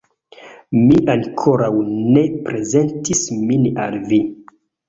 Mi ankoraŭ ne prezentis min al vi.